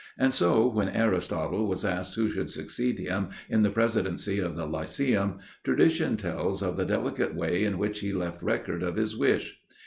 And so when Aristotle was asked who should succeed him in the presidency of the Lyceum, tradition tells of the delicate way in which he left record of his wish.